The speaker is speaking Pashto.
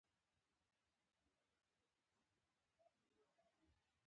وروسته له هغه بخښنه وغوښته